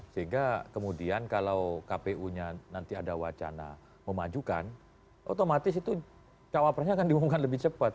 sehingga kemudian kalau kpu nya nanti ada wacana memajukan otomatis itu cawapresnya akan diumumkan lebih cepat